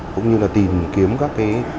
cũng như là tìm kiếm các cái